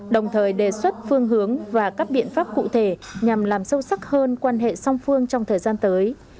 đồng thời đề xuất phương hướng và các biện pháp cụ thể nhằm làm sâu sắc hơn quan hệ song phương trong thời gian tới